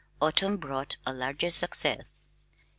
Autumn brought a larger success.